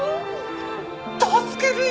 助けるよ！